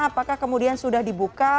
apakah kemudian sudah dibuka